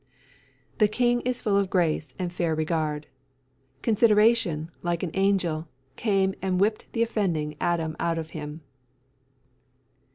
"The King is full of grace and fair regard. Consideration, like an angel, came And whipp'd the offending Adam out of him."